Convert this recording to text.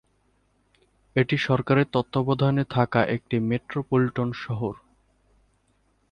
এটি সরকারের তত্ত্বাবধানে থাকা একটি মেট্রোপলিটন শহর।